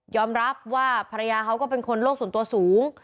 รับว่าภรรยาเขาก็เป็นคนโลกส่วนตัวสูง